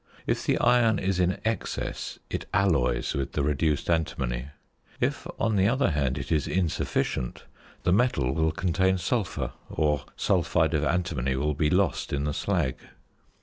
If the iron is in excess it alloys with the reduced antimony. If, on the other hand, it is insufficient, the metal will contain sulphur; or sulphide of antimony will be lost in the slag.